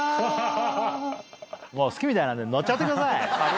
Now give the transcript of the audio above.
「もう好きみたいなんで乗っちゃってください」。